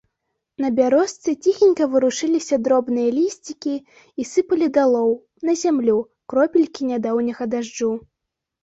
На бярозцы ціхенька варушыліся дробныя лісцікі і сыпалі далоў, на зямлю, кропелькі нядаўняга дажджу.